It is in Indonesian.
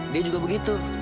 dia juga begitu